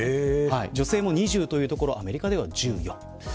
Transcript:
女性は２０のところがアメリカでは１４。